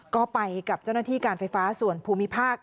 ก็ไปกับเจ้าหน้าที่การไฟฟ้าส่วนภูมิภาค